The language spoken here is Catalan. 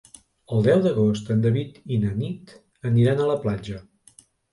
El deu d'agost en David i na Nit aniran a la platja.